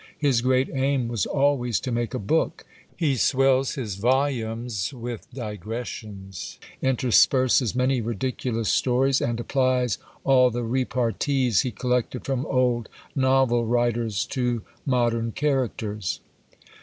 His great aim was always to make a book: he swells his volumes with digressions, intersperses many ridiculous stories, and applies all the repartees he collected from old novel writers to modern characters.